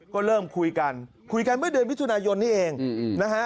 ก็เริ่มคุยกันคุยกันเมื่อเดือนมิถุนายนนี้เองนะฮะ